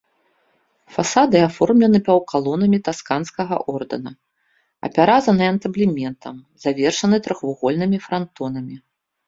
Фасады аформлены паўкалонамі тасканскага ордара, апяразаны антаблементам, завершаны трохвугольнымі франтонамі.